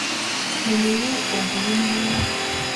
د میوو او ګلونو هیواد.